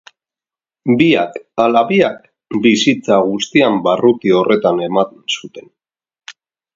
Biak ala biak, bizitza guztian barruti horretan eman zuten.